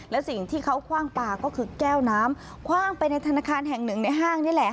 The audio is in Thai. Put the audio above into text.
และสิ่งที่เขาคว่างปลาก็คือแก้วน้ำคว่างไปในธนาคารแห่งหนึ่งในห้างนี่แหละ